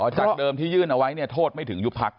จากเดิมที่ยื่นเอาไว้เนี่ยโทษไม่ถึงยุบพัก